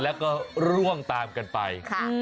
จากนั้นหล่วงตามกันไป